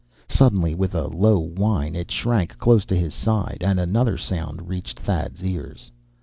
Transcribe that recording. Suddenly, with a low whine, it shrank close to his side. And another sound reached Thad's ears.